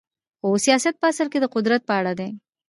خو سیاست په اصل کې د قدرت په اړه دی.